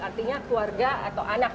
artinya keluarga atau anak